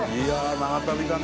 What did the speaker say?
長旅だね